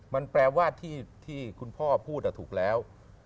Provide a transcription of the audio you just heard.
มันแปลว่าที่คุณพ่อพูดถูกแล้ว